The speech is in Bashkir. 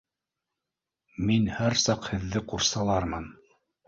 Мин һәр саҡ һеҙҙе ҡурсалармын.